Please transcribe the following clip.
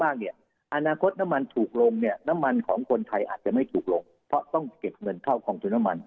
ของคนไทยอาจจะไม่ถูกลงเพราะต้องเก็บเงินเข้าของจุดน้ำมัน